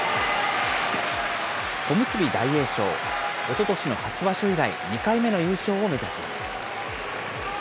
小結・大栄翔、おととしの初場所以来、２回目の優勝を目指します。